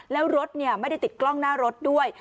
แล้วรถไม่ได้ติดกล้องหน้ารถด้วย